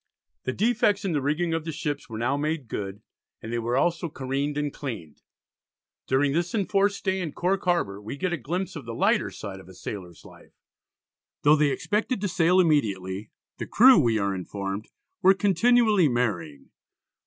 The defects in the rigging of the ships were now made good, and they were also careened and cleaned. During this enforced stay in Cork Harbour, we get a glimpse of the lighter side of a sailor's life. Though they expected to sail immediately, the crew we are informed "were continually marrying."